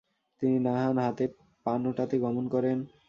তিনি নাহান, হতে পানোটাতে গমন করেন।